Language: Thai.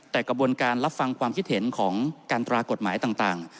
แต่กระบวนการรับฟังความคิดเห็นของการตรากฎหมายต่าง